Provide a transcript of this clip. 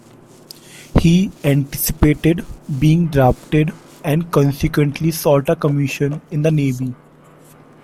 He anticipated being drafted and consequently sought a commission in the navy.